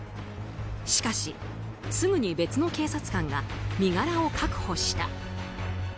しかし、すぐに別の警察官が身柄を確保した。